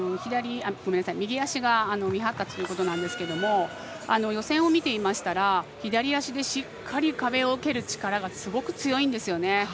右足が未発達ということなんですけど予選を見ていましたら左足でしっかり壁を蹴る力がすごく強いんですよね。